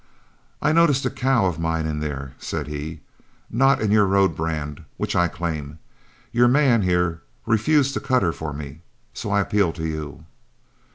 "I notice a cow of mine in there," said he, "not in your road brand, which I claim. Your man here refuses to cut her for me, so I appeal to you."